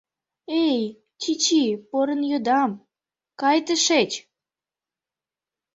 — Эй, чӱчӱ, порын йодам, кай тышеч!..